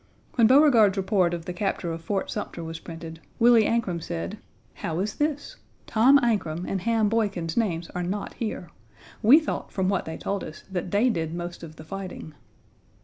When Beauregard's report of the capture of Fort Sumter was printed, Willie Ancrum said: "How is this? Tom Ancrum and Ham Boykin's names are not here. We thought from what they told us that they did most of the fighting."